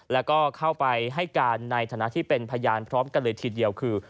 แล้วก็เข้าไปให้การในฐานะที่เป็นพยานพร้อมกันเลยทีเดียวคือ